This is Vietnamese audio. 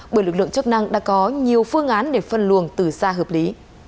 bởi lực lượng chức năng đã có nhiều phương án để phân luồng từ xa hợp lý